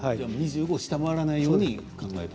２５を下回らないように考える。